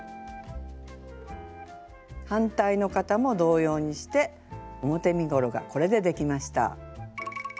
反対の肩も同様にして表身ごろがこれでできました。